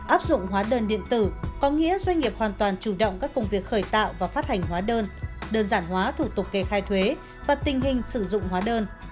áp dụng hóa đơn điện tử có nghĩa doanh nghiệp hoàn toàn chủ động các công việc khởi tạo và phát hành hóa đơn đơn giản hóa thủ tục kề khai thuế và tình hình sử dụng hóa đơn